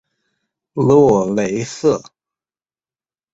洛雷塞。